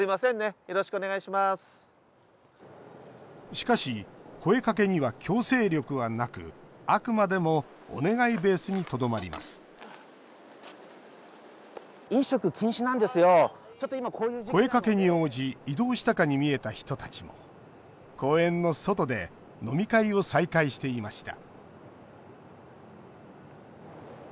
しかし声かけには強制力はなくあくまでもお願いベースにとどまります声かけに応じ移動したかに見えた人たちも公園の外で飲み会を再開していました